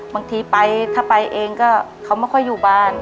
บางทีไปถ้าไปเองก็เขาไม่ค่อยอยู่บ้าน